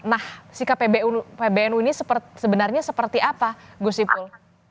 nah sikap pbnu ini sebenarnya seperti apa gus ipul